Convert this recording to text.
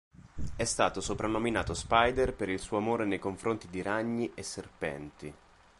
È stato soprannominato "Spider", per il suo amore nei confronti di ragni e serpenti.